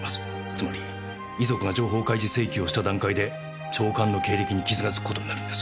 つまり遺族が情報開示請求をした段階で長官の経歴に傷がつく事になるんです。